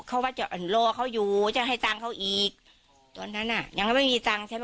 เขาว่าจะรอเขาอยู่จะให้ตังค์เขาอีกตอนนั้นอ่ะยังไม่มีตังค์ใช่ไหม